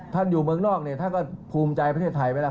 อยู่เมืองนอกเนี่ยท่านก็ภูมิใจประเทศไทยไหมล่ะ